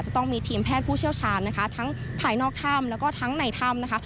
จะต้องมีทีมแพทย์ผู้เชี่ยวชาญทั้งภายนอกถ้ำและทั้งในถ้ำ